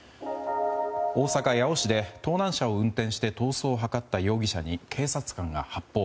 大阪府八尾市で盗難車を運転して逃走を図った容疑者に警察官が発砲。